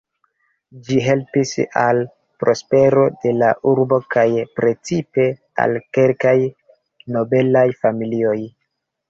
Ĝi helpis al prospero de la urbo kaj precipe al kelkaj nobelaj familioj.